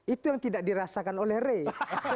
itu yang tidak dirasakan oleh rey